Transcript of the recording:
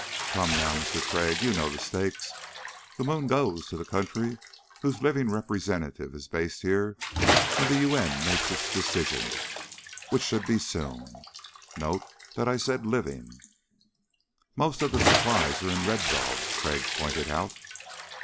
"Come, now, Mister Crag, you know the stakes. The moon goes to the country whose living representative is based here when the U.N. makes its decision which should be soon. Note that I said living." "Most of the supplies are in Red Dog," Crag pointed out.